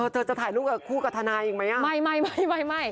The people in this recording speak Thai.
เธอจะถ่ายลูกกับคู่กับธนาอีกไหมอ่ะไม่